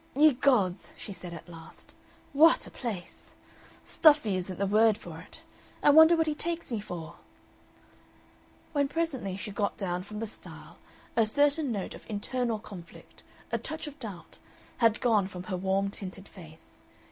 "Ye Gods!" she said at last. "WHAT a place! "Stuffy isn't the word for it. "I wonder what he takes me for?" When presently she got down from the stile a certain note of internal conflict, a touch of doubt, had gone from her warm tinted face.